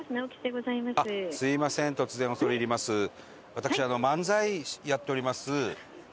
私、漫才やっております